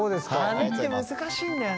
はねって難しいんだよね。